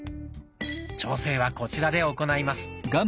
調整はこちらで行います。